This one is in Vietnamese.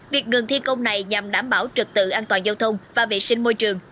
việc ngừng thi công này nhằm đảm bảo trật tự an toàn giao thông và vệ sinh môi trường